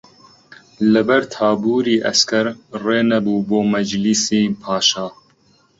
لە بەر تابووری عەسکەر ڕێ نەبوو بۆ مەجلیسی پاشا